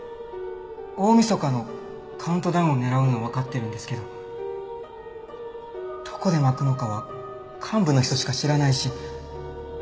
大みそかのカウントダウンを狙うのはわかってるんですけどどこで撒くのかは幹部の人しか知らないし。